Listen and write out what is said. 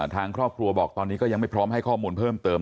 ทางครอบครัวบอกตอนนี้ก็ยังไม่พร้อมให้ข้อมูลเพิ่มเติม